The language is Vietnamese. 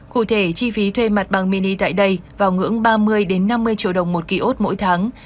cụ thể chi phí thuê mặt bằng mini tại đây vào ngưỡng ba mươi năm mươi triệu đồng một ký ốt mỗi tháng